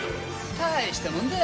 大したもんだ。